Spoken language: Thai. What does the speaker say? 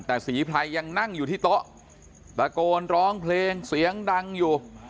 แต่ศรีไพรยังนั่งอยู่ที่โต๊ะตะโกนร้องเพลงเสียงดังอยู่